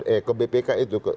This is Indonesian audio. eh ke bpk itu